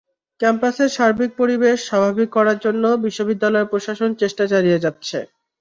ক্যাম্পাসের সার্বিক পরিবেশ স্বাভাবিক করার জন্য বিশ্ববিদ্যালয় প্রশাসন চেষ্টা চালিয়ে যাচ্ছে।